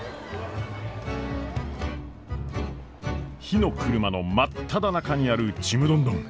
火の車の真っただ中にあるちむどんどん。